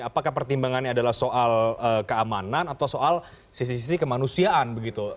apakah pertimbangannya adalah soal keamanan atau soal sisi sisi kemanusiaan begitu